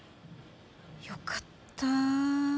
よかった。